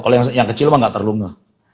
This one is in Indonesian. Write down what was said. kalau yang kecil emang gak terlunga